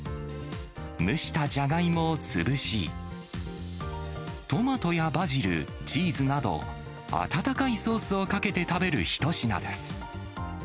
蒸したじゃがいもを潰し、トマトやバジル、チーズなど、温かいソースをかけて食べる一品です。